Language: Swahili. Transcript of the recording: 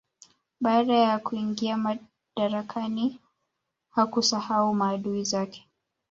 Baada ya kuingia madarakani hakusahau maadui zake